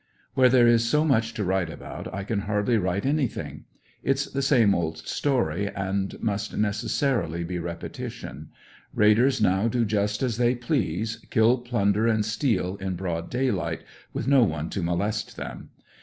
Where there is so much to write about, I can hardly write anything. It's the same old story and must necessa rily be repetition. Raiders now do just as they please, kill, plun der and steal in broad day light, with no one to molest them.